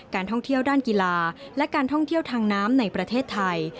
ท่องเที่ยวด้านกีฬาและการท่องเที่ยวทางน้ำในประเทศไทย